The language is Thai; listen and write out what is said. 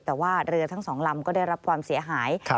แต่ว่าเรือทั้งสองลำก็ได้รับความเสียหาย